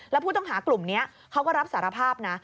แล้วผู้ต้องหากลุ่มนี้เขาก็รับสารภาพนะ